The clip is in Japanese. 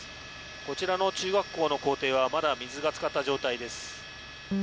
こちらの中学校の校庭はまだ水がつかった状態です。